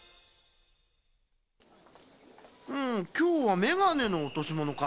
うんきょうはメガネのおとしものか。